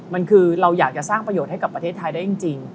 มันคือเราอยากจะสร้างประโยชน์ให้กับประเทศไทยได้จริง